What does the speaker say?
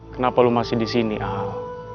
kenapa lu masih disini al